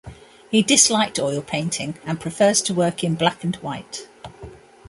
He disliked oil painting and prefers to work in black and white.